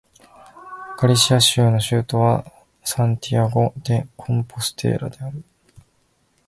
ガリシア州の州都はサンティアゴ・デ・コンポステーラである